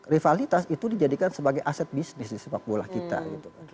rivalitas itu dijadikan sebagai aset bisnis di sepak bola kita gitu